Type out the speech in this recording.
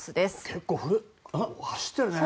結構走ってるね。